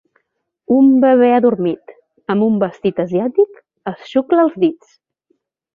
Un bebè adormit, amb un vestit asiàtic, es xucla els dits.